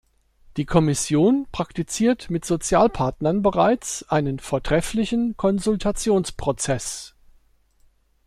Die Kommission praktiziert mit Sozialpartnern bereits einen vortrefflichen Konsultationsprozess.